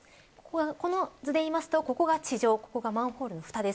この図でいうと、ここが地上ここがマンホールのふたです。